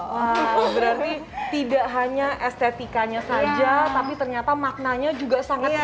wow berarti tidak hanya estetikanya saja tapi ternyata maknanya juga sangat berbeda